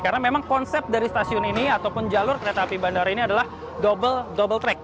karena memang konsep dari stasiun ini ataupun jalur kereta api bandara ini adalah double track